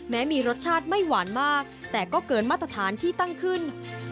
แม้มีรสชาติไม่หวานมากแต่ก็เกินมาตรฐานที่ตั้งขึ้น